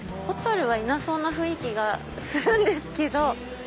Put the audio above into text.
ホタルはいなそうな雰囲気がするんですけど。